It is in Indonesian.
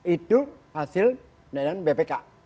itu hasil penelitian bpk